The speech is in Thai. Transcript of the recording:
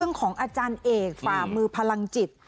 ของอาจารย์เอกฝ่ามือพลังจิต